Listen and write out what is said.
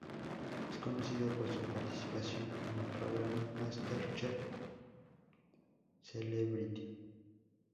Es conocido por su participación en el programa "MasterChef Celebrity".